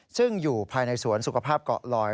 ซึ่งอยู่ภายในสวนสุขภาพเกาะลอย